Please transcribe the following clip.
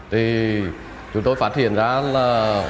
thì tôi phát hiện ra là